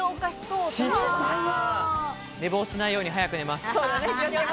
寝坊しないように早く寝ます。